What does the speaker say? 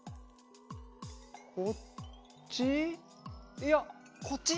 いやこっち？